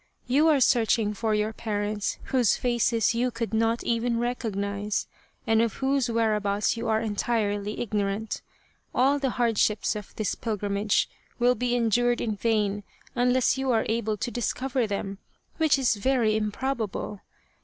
You are searching for your parents whose faces you could not even recognize, and of whose whereabouts you are entirely ignorant. All the hard ships of this pilgrimage will be endured in vain unless you are able to discover them, which is very im probable.